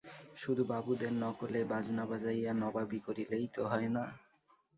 শুধু বাবুদের নকলে বাজনা বাজাইয়া নবাবি করিলেই তো হয় না।